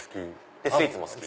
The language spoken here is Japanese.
でスイーツも好き。